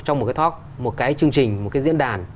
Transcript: trong một cái tok một cái chương trình một cái diễn đàn